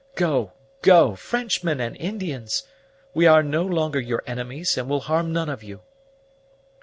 Go, go, Frenchmen and Indians! We are no longer your enemies, and will harm none of you."